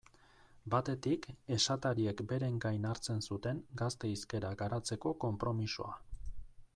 Batetik, esatariek beren gain hartzen zuten gazte hizkera garatzeko konpromisoa.